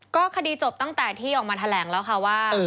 ก็คดีจบตั้งแต่ที่ออกมาแถลงแล้วค่ะว่า